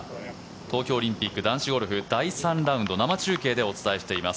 東京オリンピック男子ゴルフ第３ラウンド生中継でお伝えしています。